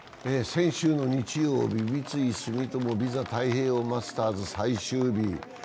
先週の日曜日、三井住友ＶＩＳＡ太平洋マスターズ最終日。